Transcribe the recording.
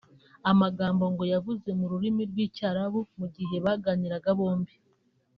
amagambo ngo yavuze mu rurimi rw’icyarabu mu gihe baganiraga bombi